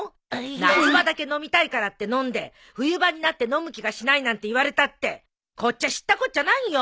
夏場だけ飲みたいからって飲んで冬場になって飲む気がしないなんて言われたってこっちは知ったこっちゃないよ！